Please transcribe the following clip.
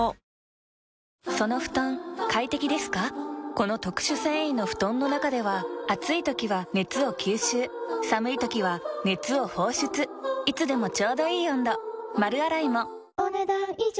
この特殊繊維の布団の中では暑い時は熱を吸収寒い時は熱を放出いつでもちょうどいい温度丸洗いもお、ねだん以上。